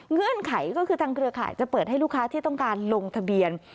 เงื่อนไขก็คือทางเครือข่ายจะเปิดให้ลูกค้าที่ต้องการลงทะเบียน